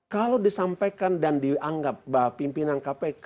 kalau disampaikan dan dianggap bahwa pimpinan kpk